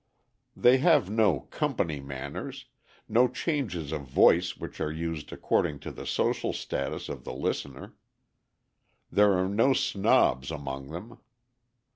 They have no "company manners," no changes of voice which are used according to the social status of the listener. There are no snobs among them.